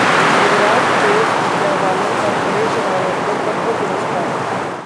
युवराज, पेस, विद्या बालन और परेश रावल को पद्म पुरस्कार